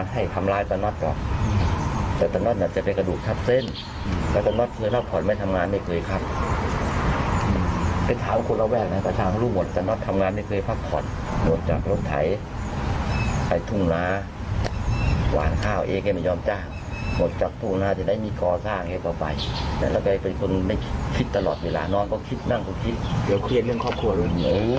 หลังก็คิดเดียวเครียดเรื่องครอบครัวเลย